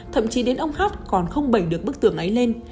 thậm chí đến ông khác còn không bẩy được bức tường ấy lên